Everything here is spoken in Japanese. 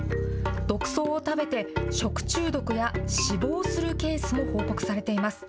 毒草を食べて食中毒や死亡するケースも報告されています。